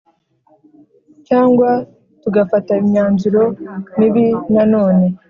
cyangwa tugafata imyanzuro mibi Nanone